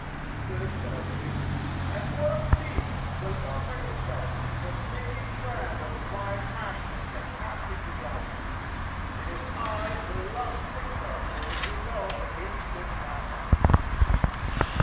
Third Self: And what of me, the love ridden self, the flaming brand of wild passion and fantastic desires? It is I the love sick self who would rebel against this madman.